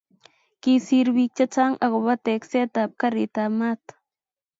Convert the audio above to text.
kisir biik chechang akobo tekset ab karit ab maat